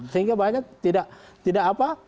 sehingga banyak tidak apa